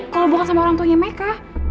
kalau bukan sama orang tuanya mereka